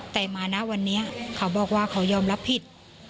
แต่มาณวันนี้เขาบอกว่าเขายอมรับผิด